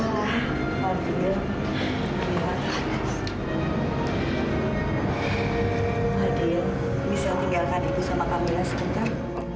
fadil bisa tinggalkan ibu sama kamila sebentar